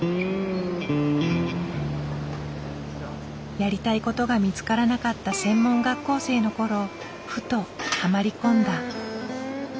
やりたいことが見つからなかった専門学校生の頃ふとハマり込んだ。